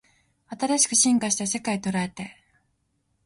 新しく進化した世界捉えて